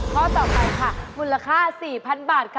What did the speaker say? ข้อต่อไปค่ะมูลค่า๔๐๐๐บาทค่ะ